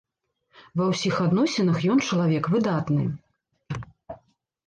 Ва ўсіх адносінах ён чалавек выдатны.